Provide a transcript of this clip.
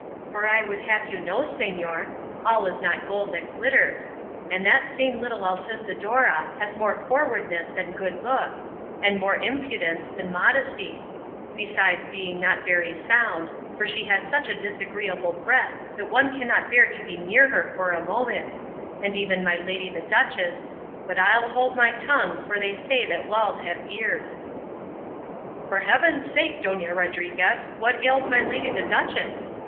For I would have you know, señor, all is not gold that glitters, and that same little Altisidora has more forwardness than good looks, and more impudence than modesty; besides being not very sound, for she has such a disagreeable breath that one cannot bear to be near her for a moment; and even my lady the duchess but I'll hold my tongue, for they say that walls have ears." "For heaven's sake, Dona Rodriguez, what ails my lady the duchess?"